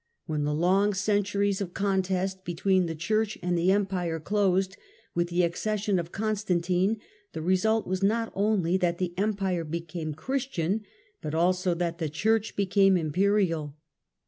Papacy When the long centuries of contest between the Church and, the Empire closed with the accession of Co nstantine , U*^ the result was not only that the Empire became Chris tian, but also that the Church became Imperial.